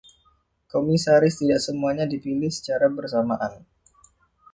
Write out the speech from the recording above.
Komisaris tidak semuanya dipilih secara bersamaan.